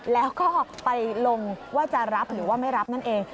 แล้วก็ไปลงว่าจะรับหรือว่าไม่รับนั่นเอง